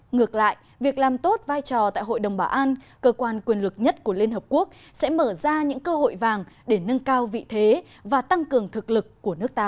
ngược lại việc làm tốt vai trò tại hội đồng bảo an cơ quan quyền lực nhất của liên hợp quốc sẽ mở ra những cơ hội vàng để nâng cao vị thế và tăng cường thực lực của nước ta